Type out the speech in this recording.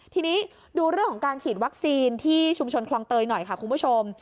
ทีนี้ดูเรื่องของการฉีดวัคซีนที่ชุมชนคลองเตยหน่อยค่ะคุณผู้ชม